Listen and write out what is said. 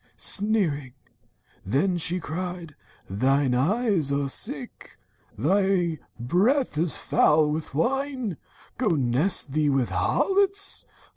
Sneering then, she cried: 'Thine eyes are sick ! Thy breath is foul with wine ! Go nest thee with thy harlots!